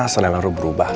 selain lu berubah